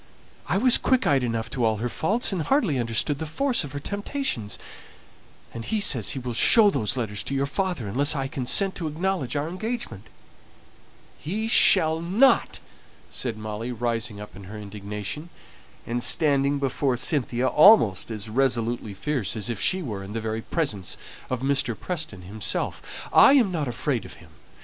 I was quick eyed enough to all her faults, and hardly understood the force of her temptations; and he says he will show those letters to your father, unless I consent to acknowledge our engagement." "He shall not!" said Molly, rising up in her indignation, and standing before Cynthia almost as resolutely fierce as if she were in the very presence of Mr. Preston himself. "I am not afraid of him.